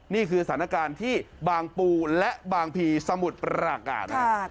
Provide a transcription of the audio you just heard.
นี่คือสถานการณ์ที่บางปูและบางผีสมุดประอากาศนะครับ